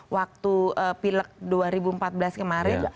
waktu pileg dua ribu empat belas kemarin